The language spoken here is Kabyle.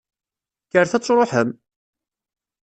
Kkret ad truḥem!